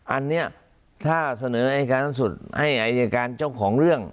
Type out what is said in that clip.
อันนี้ถ้าเสนออายการสูงสุดให้อายการเจ้าของเรื่อง